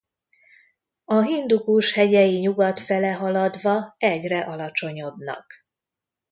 A Hindukus hegyei nyugat fele haladva egyre alacsonyodnak.